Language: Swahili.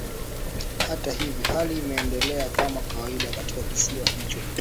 hata hivyo hali imeendelea kama kawaida katika kisiwa hicho